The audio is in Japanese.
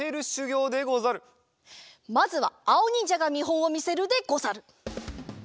まずはあおにんじゃがみほんをみせるでござる。